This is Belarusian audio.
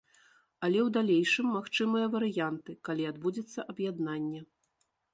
Але ў далейшым магчымыя варыянты, калі адбудзецца аб'яднанне.